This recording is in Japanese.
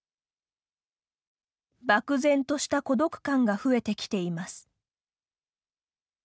「漠然とした孤独感が増えてきています」